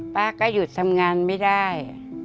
ป้าก็หยุดทำงานไม่ได้